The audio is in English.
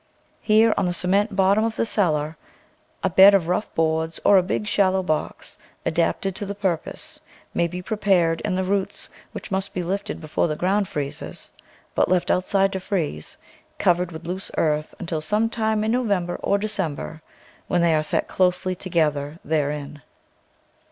Here, on the cement bottom of the cellar, a bed of rough boards or a big shallow box, adapted to the purpose, may be prepared, and the roots, which must be lifted before the ground freezes, but left outside to freeze, covered with loose earth until some timxC in November or De cember, when they are set closely together therein.